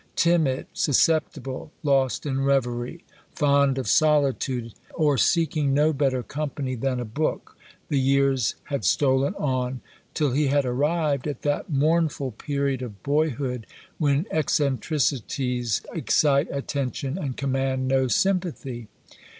Timid, susceptible, lost in reverie, fond of solitude, or seeking no better company than a book, the years had stolen on, till he had arrived at that mournful period of boyhood when eccentricities excite attention and command no sympathy.